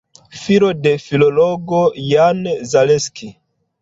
Filo de filologo Jan Zaleski.